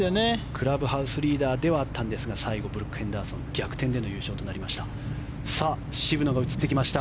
クラブハウスリーダーではあったんですが最後ブルック・ヘンダーソン逆転での優勝となりました。